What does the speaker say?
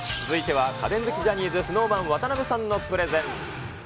続いては、家電好きジャニーズ、ＳｎｏｗＭａｎ・渡辺さんのプレゼン。